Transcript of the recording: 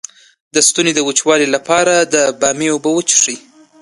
د ستوني د وچوالي لپاره د بامیې اوبه وڅښئ